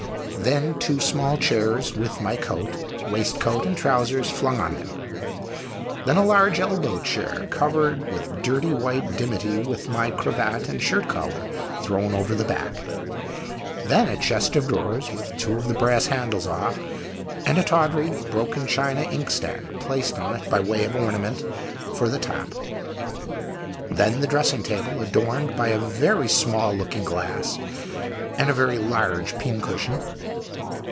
Then two small chairs, with my coat, waistcoat, and trousers flung on them. Then a large elbow chair covered with dirty white dimity, with my cravat and shirt collar thrown over the back. Then a chest of drawers with two of the brass handles off, and a tawdry, broken china inkstand placed on it by way of ornament for the top. Then the dressing table, adorned by a very small looking glass, and a very large pincushion.